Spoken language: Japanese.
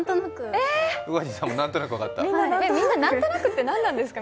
何となくって何なんですか？